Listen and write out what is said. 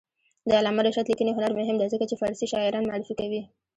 د علامه رشاد لیکنی هنر مهم دی ځکه چې فارسي شاعران معرفي کوي.